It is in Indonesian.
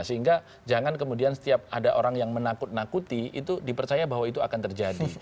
sehingga jangan kemudian setiap ada orang yang menakut nakuti itu dipercaya bahwa itu akan terjadi